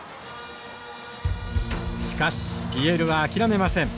しかしＰＬは諦めません。